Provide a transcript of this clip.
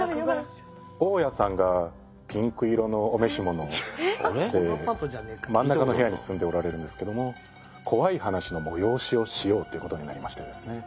大家さんがピンク色のお召し物で真ん中の部屋に住んでおられるんですけども怖い話の催しをしようということになりましてですね。